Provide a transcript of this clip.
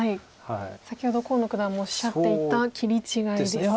先ほど河野九段もおっしゃっていた切り違いです。